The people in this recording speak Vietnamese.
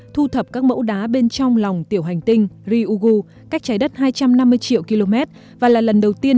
thu thập các mẫu đá bên trong lòng tiểu hành tinh ryugu cách trái đất hai trăm năm mươi triệu km và là lần đầu tiên